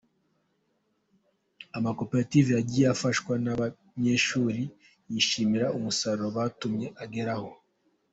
Amakoperative yagiye afashwa n’aba banyeshuri yishimira umusaruro batumye ageraho.